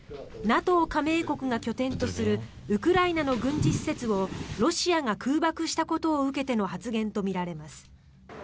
ＮＡＴＯ加盟国が拠点とするウクライナの軍事施設をロシアが空爆したことを受けての発言とみられます。